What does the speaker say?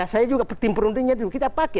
saya juga tim berundingnya dulu kita pakai